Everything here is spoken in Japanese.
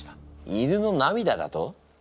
犬の涙だと？